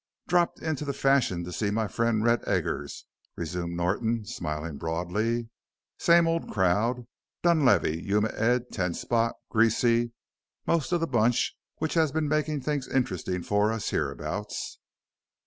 "Dropped into the Fashion to see my friend Red Eggers," resumed Norton, smiling broadly. "Same old crowd Dunlavey, Yuma Ed, Ten Spot, Greasy most of the bunch which has been makin' things interestin' for us hereabouts."